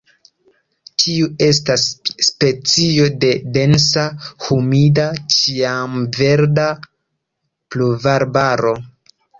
Tiu estas specio de densa humida ĉiamverda pluvarbaro.